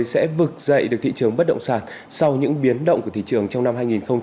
sẽ vực dậy được thị trường bất động sản sau những biến động của thị trường trong năm hai nghìn hai mươi